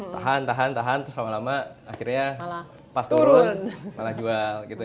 tahan tahan tahan terus lama lama akhirnya pas turun malah jual gitu